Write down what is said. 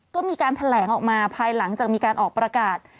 ก็มีการแถลงออกมาภายหลังจากมีการออกประกาศ